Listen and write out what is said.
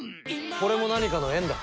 これも何かの縁だ。